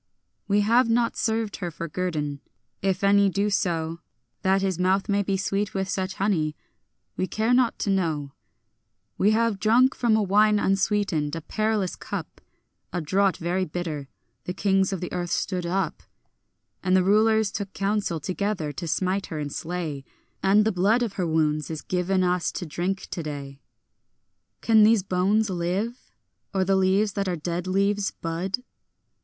We have not served her for guerdon. If any do so, That his mouth may be sweet with such honey, we care not to know. We have drunk from a wine unsweetened, a perilous cup, A draught very bitter. The kings of the earth stood up, And the rulers took counsel together, to smite her and slay; And the blood of her wounds is given us to drink today. Can these bones live? or the leaves that are dead leaves bud?